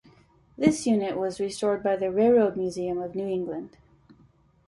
This unit was restored by the Railroad museum of New England.